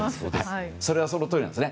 それはそのとおりなんですね。